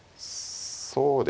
そうですね。